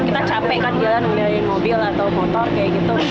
kita capek kan jalan ngeliatin mobil atau motor kayak gitu